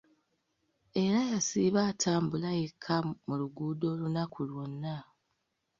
Era yasiiba atambula yekka mu luguudo olunaku lwonna.